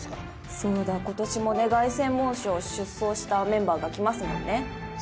そうだ今年もね凱旋門賞を出走したメンバーが来ますもんね。